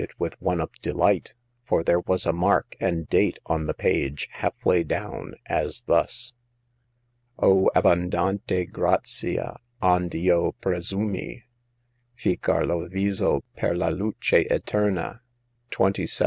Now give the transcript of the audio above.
it with one of delight ; for there was a mark and date on the page, half way down, as thus : Oh, abbondante grazia ond* io presumi Ficcar lo viso per la luce etema | 27.